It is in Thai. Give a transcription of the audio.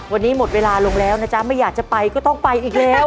วันนี้หมดเวลาลงแล้วนะจ๊ะไม่อยากจะไปก็ต้องไปอีกแล้ว